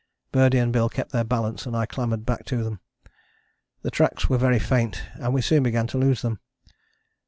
Birdie and Bill kept their balance and I clambered back to them. The tracks were very faint and we soon began to lose them.